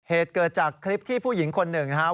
เหตุเกิดจากคลิปที่ผู้หญิงคนหนึ่งนะครับ